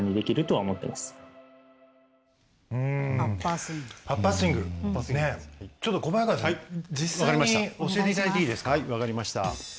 はい分かりました。